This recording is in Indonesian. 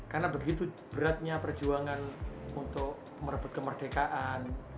karena begitu beratnya perjuangan untuk merebut kemerdekaan